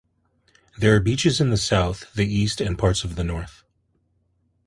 There are beaches in the south, the east and parts of the north.